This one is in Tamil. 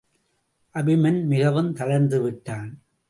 அபிமன் மிகவும் தளர்ந்து விட்டான்.